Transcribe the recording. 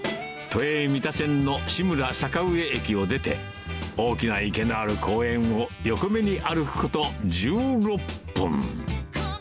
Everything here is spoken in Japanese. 都営三田線の志村坂上駅を出て、大きな池のある公園を横目に歩くこと１６分。